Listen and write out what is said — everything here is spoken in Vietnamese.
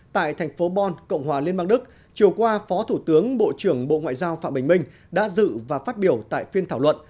tại thành phố bon cộng hòa liên bang đức chiều qua phó thủ tướng bộ trưởng bộ ngoại giao phạm bình minh đã dự và phát biểu tại phiên thảo luận